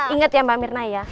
ingat ya mbak mirna ya